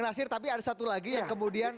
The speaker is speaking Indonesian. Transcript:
bu nasir tapi ada satu lagi ya kemudian